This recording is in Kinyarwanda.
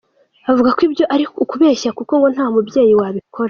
Avuga ko ibyo ari ukubeshya kuko ngo nta mubyeyi wabikora.